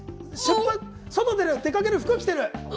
外に出かける服着てる。